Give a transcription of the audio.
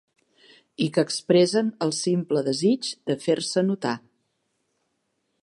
I que expressen el simple desig de fer-se notar.